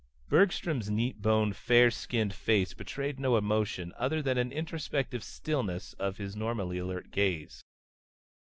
Bergstrom's neat boned, fair skinned face betrayed no emotion other than an introspective stillness of his normally alert gaze.